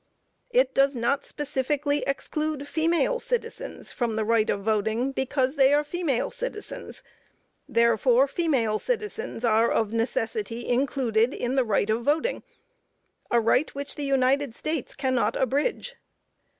It does not specifically exclude female citizens from the right of voting, because they are female citizens, therefore, female citizens are of necessity included in the right of voting a right which the United States cannot abridge.